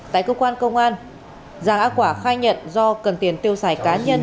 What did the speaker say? tại cơ quan công an giàng a quả khai nhận do cần tiền tiêu xài cá nhân